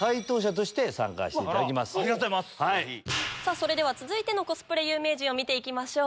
それでは続いてのコスプレ有名人見て行きましょう。